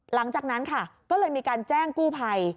หลังจากนั้นค่ะก็เลยมีการแจ้งกู้ภัย